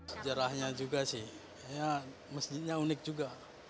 sejarahnya juga sih masjidnya unik juga